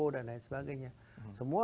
dan lain sebagainya semua